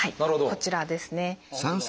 こちらですね。